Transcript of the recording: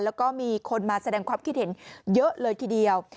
แล้วก็มีคนมาแสดงความคิดเห็นเยอะเลยทีเดียว